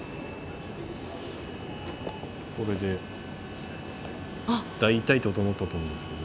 これで大体整ったと思うんですけど。